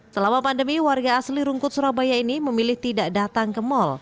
selama pandemi warga asli rungkut surabaya ini memilih tidak datang ke mal